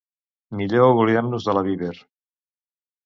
Millor oblidem-nos de la Viber.